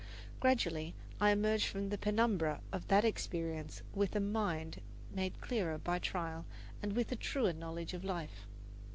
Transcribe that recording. Gradually I emerged from the penumbra of that experience with a mind made clearer by trial and with a truer knowledge of life.